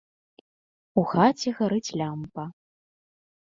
У хаце гарыць лямпа.